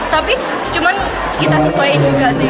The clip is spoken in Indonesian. tapi cuman kita sesuaiin juga sih